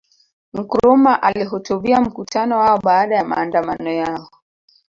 Nkrumah alihutubia mkutano wao baada ya maandamano yao